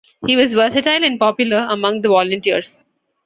He was versatile and popular among the volunteers.